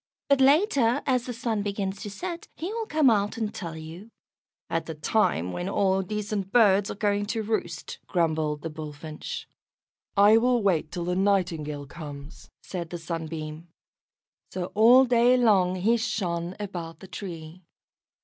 But later, as the Sun begins to set, he will come out and tell you." "At the time when all decent birds are going to roost," grumbled the Bullfinch. "I will wait till the Nightingale comes," said the Sunbeam. So all day long he shone about the tree.